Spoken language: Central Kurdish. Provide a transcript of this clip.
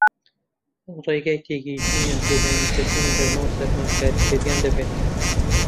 ڕێگای تێگەیشتنیان پێ داین کە چۆن گەرما و سارما کاریگەرییان دەبێت